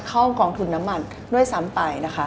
เข้ากองถึงน้ำมันด้วยซ้ำไปนะคะ